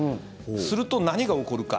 すると、何が起こるか。